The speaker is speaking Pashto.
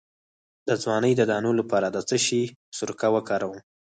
د ځوانۍ د دانو لپاره د څه شي سرکه وکاروم؟